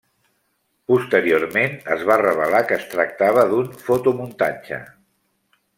Posteriorment es va revelar que es tractava d'un fotomuntatge.